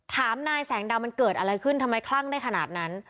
ถามนายแสงดาวมันเกิดอะไรขึ้นทำไมคลั่งได้ขนาดนั้น